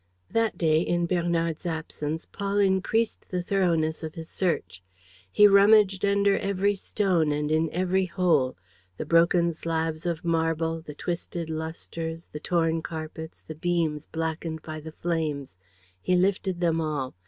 That day, in Bernard's absence, Paul increased the thoroughness of his search. He rummaged under every stone and in every hole. The broken slabs of marble, the twisted lustres, the torn carpets, the beams blackened by the flames, he lifted them all.